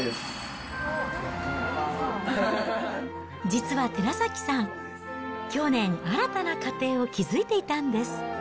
実は寺崎さん、去年、新たな家庭を築いていたんです。